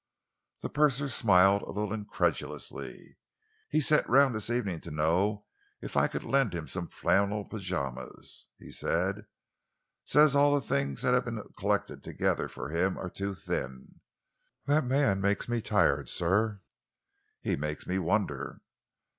The purser smiled a little incredulously. "He sent round this evening to know if I could lend him some flannel pyjamas," he said, "says all the things that have been collected together for him are too thin. That man makes me tired, sir." "He makes me wonder."